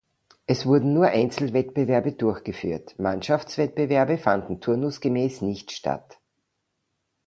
Es wurden nur Einzelwettbewerbe durchgeführt, Mannschaftswettbewerbe fanden turnusgemäß nicht statt.